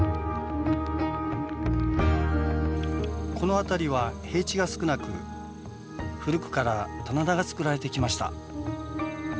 この辺りは平地が少なく古くから棚田がつくられてきました。